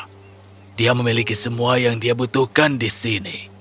karena dia memiliki semua yang dia butuhkan di sini